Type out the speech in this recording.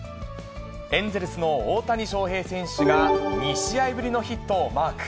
エンゼルスの大谷翔平選手が２試合ぶりのヒットをマーク。